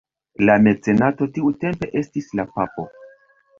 La mecenato tiutempe estis la Papo.